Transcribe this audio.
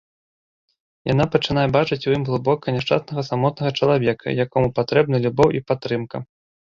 Яна пачынае бачыць у ім глыбока няшчаснага самотнага чалавека, якому патрэбны любоў і падтрымка.